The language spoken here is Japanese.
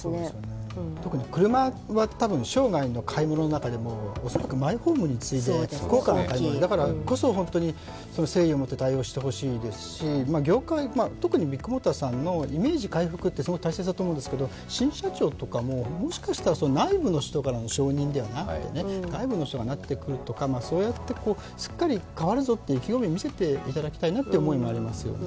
特に車は生涯の買い物の中でもマイホームに次いで高価な買い物なので、だからこそ、誠意を持って対応してほしいですし特にビッグモーターさんのイメージ回復って、すごい大切だと思うんですけど、新社長とかももしかしたら内部の人からの承認ではなくて、外部の人がなってくるとか、すっかり変わるぞという意気込みを見せていただきたいなという思いもあります。